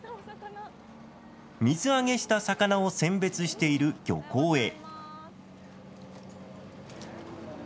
水揚げした魚を選別している漁港へ。